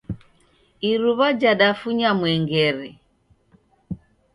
Iruwa jadafunya mwengere